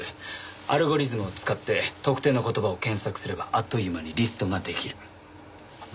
アルゴリズムを使って特定の言葉を検索すればあっという間にリストができる。